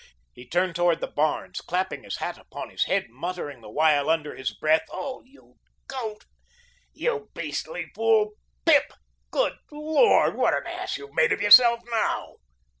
He turned toward the barns, clapping his hat upon his head, muttering the while under his breath: "Oh, you goat! You beastly fool PIP. Good LORD, what an ass you've made of yourself now!"